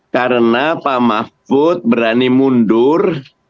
karena pak mahfud berani mundur